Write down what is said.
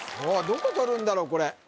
どこ取るんだろうこれ